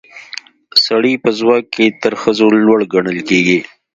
سړي په ځواک کې تر ښځو لوړ ګڼل کیږي